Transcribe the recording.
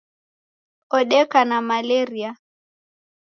Odeka na malaria